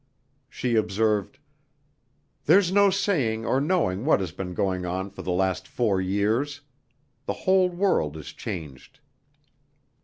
She observed: "There's no saying or knowing what has been going on for the last four years. The whole world is changed."